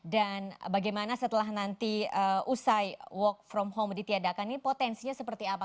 bagaimana setelah nanti usai work from home ditiadakan ini potensinya seperti apa